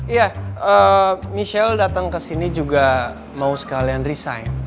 iya michelle datang ke sini juga mau sekalian resign